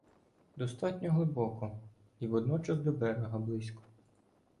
Достатньо глибоко, і водночас до берега – близько